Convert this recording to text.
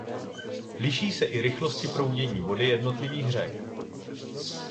Liší se i rychlosti proudění vody jednotlivých řek.